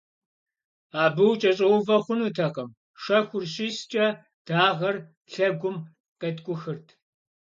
Абы укӏэщӏэувэ хъунутэкъым - шэхур щискӀэ, дагъэр лъэгум къеткӀухырт.